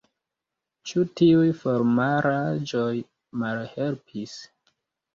Ĉu tiuj formalaĵoj malhelpis?